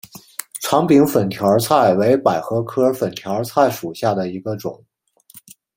长柄粉条儿菜为百合科粉条儿菜属下的一个种。